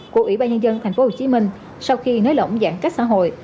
của ủy ban nhân dân tp hcm sau khi nới lỏng giãn cách xã hội